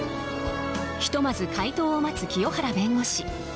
ひとまず回答を待つ清原弁護士。